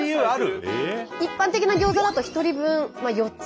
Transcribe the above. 一般的なギョーザだと１人分４つ。